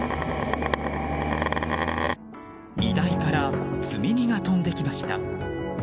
荷台から積み荷が飛んできました。